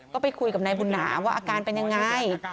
ก็ไปคุยกับนายบุญหนาว่าอาการเป็นยังไง